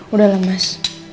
udah lah mas